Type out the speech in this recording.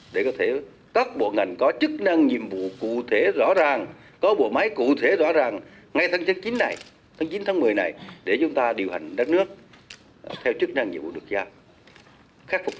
để có thể các bộ ngành có chức năng nhiệm vụ cụ thể rõ ràng có bộ máy cụ thể rõ ràng ngay tháng chín này tháng chín tháng một mươi này để chúng ta điều hành đất nước theo chức năng nhiệm vụ được giao